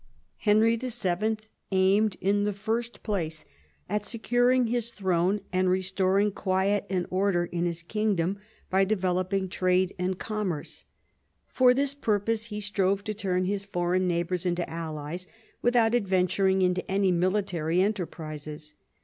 Henry VII. aimed, in the first place, at securing his throne and restoring quiet and order in his kingdom by developing trade and commerce. For this II THE FRENCH ALLUNCE 21 purpose he strove to turn his foreign neighbours into allies without adventuring into any military enterprises.